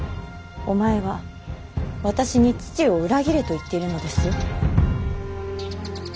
お前は私に父を裏切れと言っているのですよ。